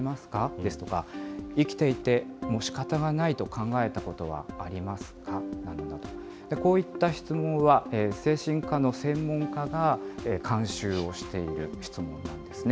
ですとか、生きていてもしかたがないと考えたことはありますかな？などなど、こういった質問は精神科の専門家が監修をしている質問なんですね。